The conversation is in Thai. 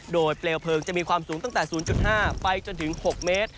โดยเปลวเพลิงจะมีความสูงตั้งแต่๐๕ไปจนถึง๖เมตร